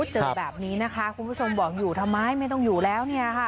เจอแบบนี้นะคะคุณผู้ชมบอกอยู่ทำไมไม่ต้องอยู่แล้วเนี่ยค่ะ